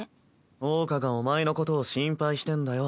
桜花がお前のことを心配してんだよ。